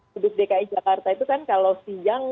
kudus dki jakarta itu kan kalau siang